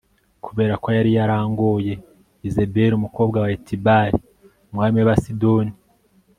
Kubera ko yari yarongoye Yezebeli umukobwa wa Etibāli umwami wAbasidoni